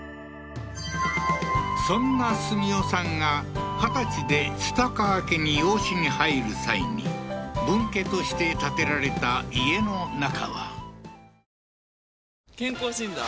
そんな澄夫さんが二十歳で蔦川家に養子に入る際に分家として建てられた家の中は健康診断？